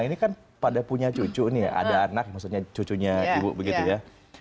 ini kan pada punya cucu nih ya ada anak maksudnya cucunya ibu begitu ya